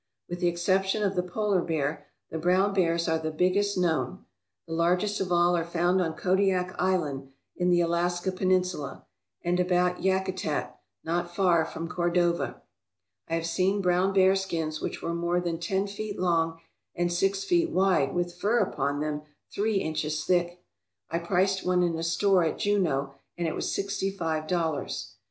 With the ex ception of the polar bear, the brown bears are the biggest known. The largest of all are found on Kodiak Island, in the Alaska Peninsula, and about Yakutat, not far from Cordova. I have seen brown bear skins which were more than ten feet long and six feet wide with fur upon them three inches thick. I priced one in a store at Juneau and it was sixty five dollars.